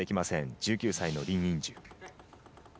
１９歳のリン・インジュ。